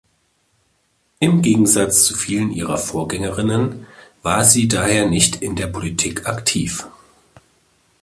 Im Gegensatz zu vielen ihrer Vorgängerinnen war sie daher nicht in der Politik aktiv.